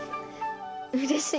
うれしい！